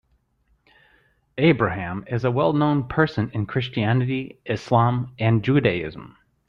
Abraham is a well known person in Christianity, Islam and Judaism.